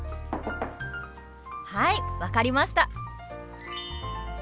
はい分かりました！